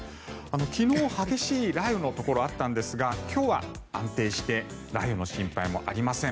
昨日、激しい雷雨のところがあったんですが今日は安定して雷雨の心配もありません。